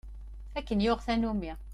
Akken yuɣ tanumi.